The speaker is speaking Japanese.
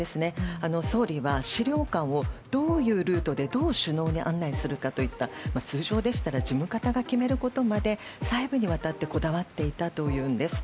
総理は資料館をどういうルートでどう首脳に案内するかといった通常でしたら、事務方が決めることまで、細部にわたってこだわっていたというんです。